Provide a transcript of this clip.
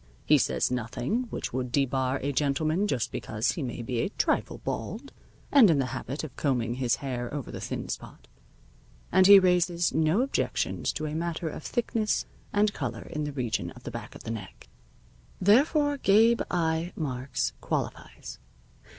He says nothing which would debar a gentleman just because he may be a trifle bald and in the habit of combing his hair over the thin spot, and he raises no objections to a matter of thickness and color in the region of the back of the neck. Therefore Gabe I. Marks qualifies.